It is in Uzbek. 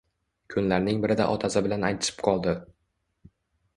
Kunlarning birida otasi bilan aytishib qoldi